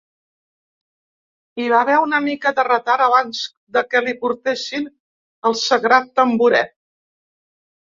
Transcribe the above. Hi va haver una mica de retard abans de que li portessin el sagrat tamboret.